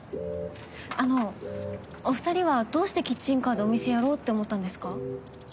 あのお２人はどうしてキッチンカーでお店やろうって思ったんですか？